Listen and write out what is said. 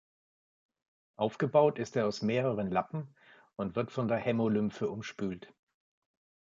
Aufgebaut ist er aus mehreren Lappen und wird von der Hämolymphe umspült.